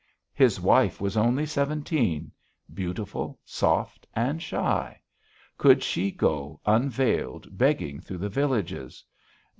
His wife was only seventeen; beautiful, soft, and shy.... Could she go unveiled begging through the villages?